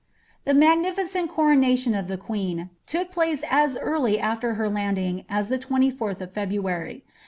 The magnificent coronation of the queen took place as early af\er her landing as the 24th of February.